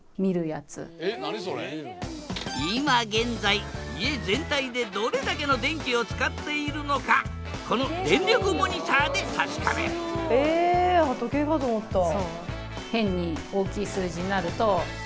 今現在家全体でどれだけの電気を使っているのかこの電力モニターで確かめるえ時計かと思った。